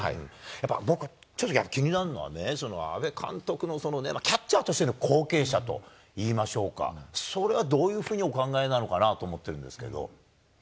僕、ちょっと気になるのはね、阿部監督のそのね、キャッチャーとしての後継者といいましょうか、それはどういうふうにお考えなのかなと思ってるんですけど。